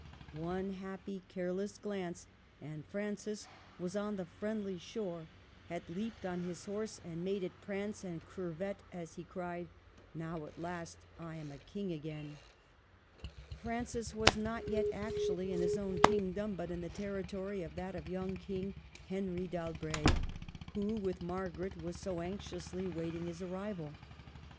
One happy, careless glance, and Francis was on the friendly shore, had leaped on his horse and made it prance and curvet as he cried, '' Now, at last, I am a King again !" Francis was not yet actually in his own king dom, but in the territory of that young King, Henry d'Albret, who, with Margaret, was so anxiously waiting his arrival.